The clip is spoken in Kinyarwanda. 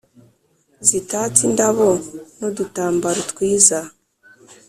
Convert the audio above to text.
zitatse indabo n’udutambaro twiza.